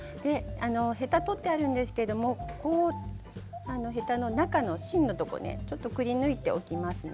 ヘタを取ってありますけどヘタの中の芯のところもくりぬいておきますね。